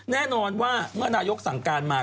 แน่นอนว่าเมื่อนายกสั่งการมา